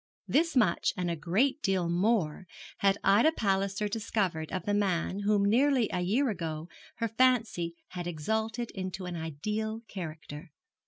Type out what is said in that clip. This much and a great deal more had Ida Palliser discovered of the man whom nearly a year ago her fancy had exalted into an ideal character.